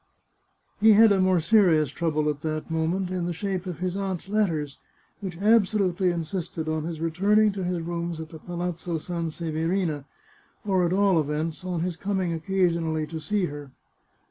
He had a more serious trouble at that moment, in the shape of his aunt's letters, which absolutely insisted on his returning to his rooms at the Palazzo Sanseverina, or, at all events, on his coming occasionally to see her.